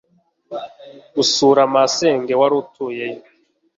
gusura masenge warutuyeyo